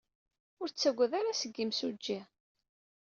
Ur ttaggad ara seg yimsujji.